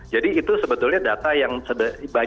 jadi itu sebetulnya data yang sedang